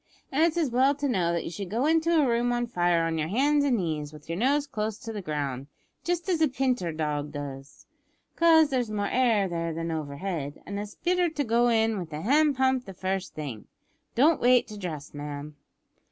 An' it's as well to know that you should go into a room on fire on your hands and knees, with your nose close to the ground just as a pinter dog goes 'cause there's more air there than overhead; an' it's better to go in wi' the hand pump the first thing. Don't wait to dress, ma'am."